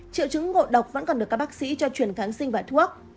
triệu chứng ngộ độc vẫn còn được các bác sĩ cho truyền kháng sinh và thuốc